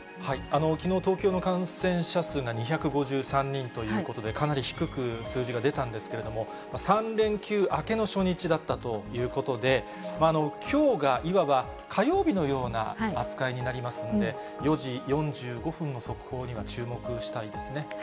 きのう、東京の感染者数が２５３人ということで、かなり低く数字が出たんですけれども、３連休明けの初日だったということで、きょうがいわば、火曜日のような扱いになりますんで、４時４５分の速報には注目したいですね。